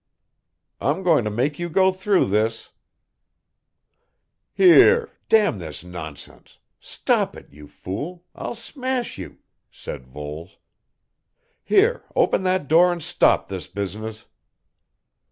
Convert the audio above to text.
"I'm going to make you go through this " "Here, d n this nonsense stop it you fool, I'll smash you," said Voles. "Here, open that door and stop this business."